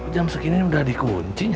jam segini udah di kuncinya